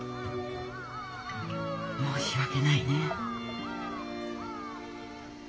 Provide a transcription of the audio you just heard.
申し訳ないね。